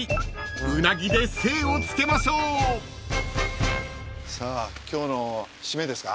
［うなぎで精をつけましょう］さあ今日の締めですか？